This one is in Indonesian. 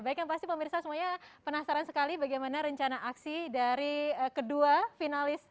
baik yang pasti pemirsa semuanya penasaran sekali bagaimana rencana aksi dari kedua finalis